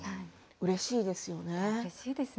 うれしいですね。